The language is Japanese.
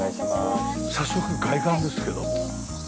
早速外観ですけど。